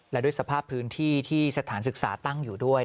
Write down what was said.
และด้วยสภาพพื้นที่ที่สถานศึกษาตั้งอยู่ด้วย